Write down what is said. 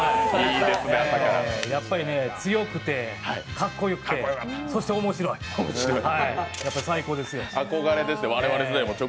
やっぱりね強くてかっこよくて、そして面白い、最高ですよ。